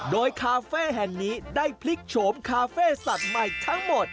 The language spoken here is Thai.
โดยคาเฟ่แห่งนี้ได้พลิกโฉมคาเฟ่สัตว์ใหม่ทั้งหมด